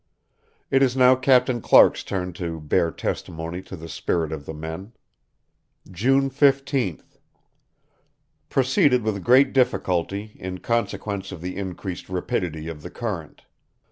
It is now Captain Clark's turn to bear testimony to the spirit of the men: "June 15th.... Proceeded with great difficulty, in consequence of the increased rapidity of the current.